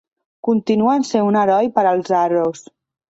Continua sent un heroi per als aros.